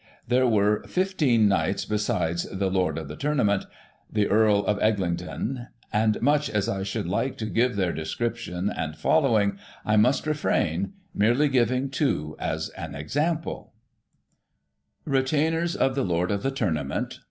There were 1 5 Knights, besides the " Lord of the Tourna ment," the Earl of Eglinton, and much as I should like to give their description and following, I must refrain, merely giving two as a sample :—" Retainers of the Lord of the Tournament.